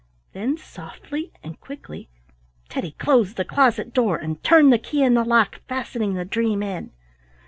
Then softly and quickly Teddy closed the closet door, and turned the key in the lock, fastening the dream in.